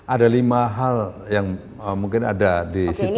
ada lima hal yang mungkin ada di situ